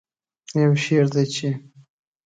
یو شعر دی چې